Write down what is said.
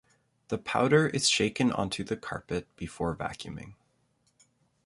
The powder is shaken onto the carpet before vacuuming.